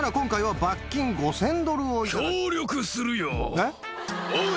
えっ？